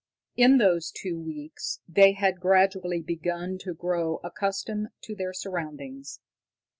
In those two weeks they had gradually begun to grow accustomed to their surroundings.